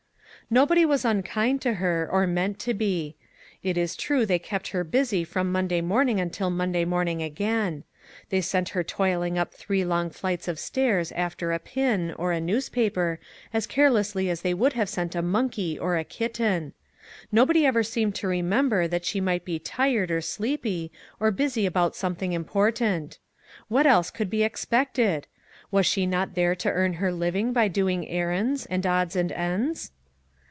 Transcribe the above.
Nobody was unkind to her or meant to be. It is true they kept her busy from Monday morning until Monday morning again. They sent her toiling up three long flights of stairs after a pin, or a newspaper, as carelessly as they '7 MAG AND MARGARET would have sent a monkey or a kitten. Nobody ever seemed to remember that she might be tired, or sleepy, or busy about something im portant. What else could be expected? Was she not there to earn her living by doing errands, and odds and ends